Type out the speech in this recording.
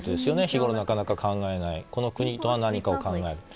日ごろ、なかなか考えないこの国とは何かを考える。